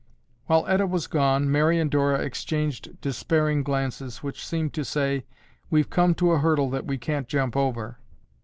While Etta was gone, Mary and Dora exchanged despairing glances which seemed to say, "We've come to a hurdle that we can't jump over."